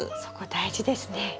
そこ大事ですね。